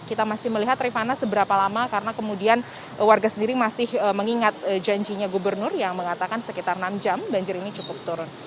kita masih melihat rifana seberapa lama karena kemudian warga sendiri masih mengingat janjinya gubernur yang mengatakan sekitar enam jam banjir ini cukup turun